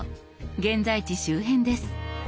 現在地周辺です。